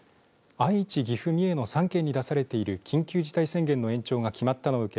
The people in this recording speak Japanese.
愛知、岐阜、三重の３県に出されている緊急事態宣言の延長が決まったのを受け